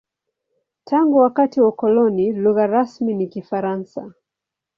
Tangu wakati wa ukoloni, lugha rasmi ni Kifaransa.